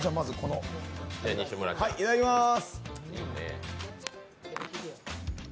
いただきまーす。